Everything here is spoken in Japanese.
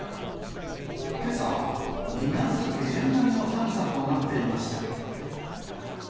けさは２月下旬並みの寒さとなっていました。